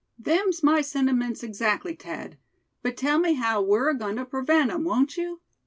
"Them's my sentiments exactly, Thad; but tell me how we're agoin' to prevent 'em, won't you?